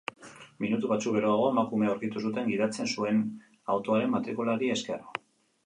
Minutu batzuk geroago, emakumea aurkitu zuten gidatzen zuen autoaren matrikulari esker.